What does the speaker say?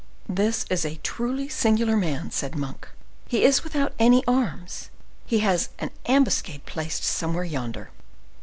"This is truly a singular man," said Monk; "he is without any arms; he has an ambuscade placed somewhere yonder."